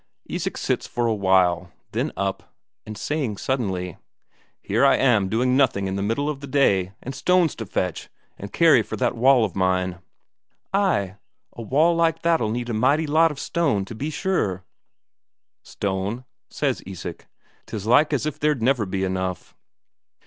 Isak sits for a while, then up, and saying suddenly: "Here am I doing nothing middle of the day, and stones to fetch and carry for that wall of mine!" "Ay, a wall like that'll need a mighty lot of stone, to be sure." "Stone?" says Isak. "Tis like as if there'd never be enough."